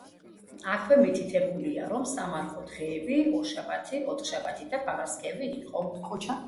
აქვე მითითებულია, რომ სამარხვო დღეები ორშაბათი, ოთხშაბათი და პარასკევი იყო.